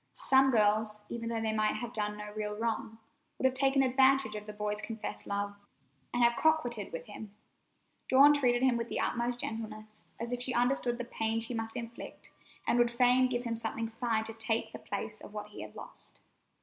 Some girls, even though they might have done no real wrong, would have taken advantage of the boy's confessed love, and have coquetted with him. Dawn treated him with the utmost gentleness, as if she understood the pain she must inflict, and would fain give him something fine to take the place of what he had lost.